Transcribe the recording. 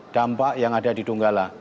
dampak yang ada di donggala